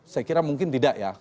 saya kira mungkin tidak ya